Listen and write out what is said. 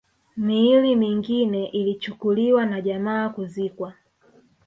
Miili mingine ilichukuliwa na jamaa kuzikwa